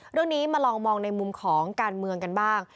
เรื่องนี้มาลองมองในมุมของการเมืองกันบ้าง